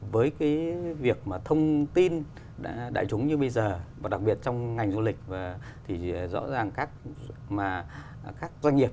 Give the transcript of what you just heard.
với việc mà thông tin đã đại chúng như bây giờ và đặc biệt trong ngành du lịch thì rõ ràng các doanh nghiệp